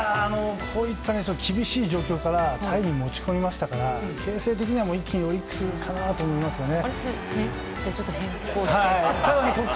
こういった厳しい状況からタイムリーに持ち込みましたから形勢的にはオリックスかと思いますけど。